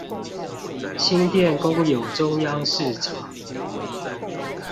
新店公有中央市場